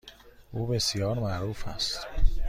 او بسیار معروف است.